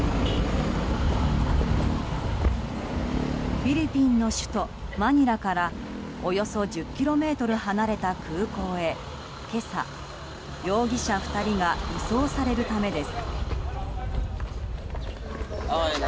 フィリピンの首都マニラからおよそ１０ｋｍ離れた空港へ今朝、容疑者２人が移送されるためです。